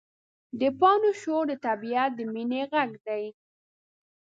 د پاڼو شور د طبیعت د مینې غږ دی.